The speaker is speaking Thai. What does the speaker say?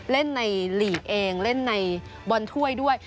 เล่นในหลีกเองเล่นในบอลถ้วยด้วย